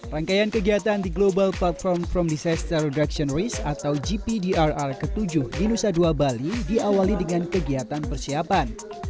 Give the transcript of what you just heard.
rangkaian kegiatan di global platform from disaster reduction risk atau gpdrr ke tujuh di nusa dua bali diawali dengan kegiatan persiapan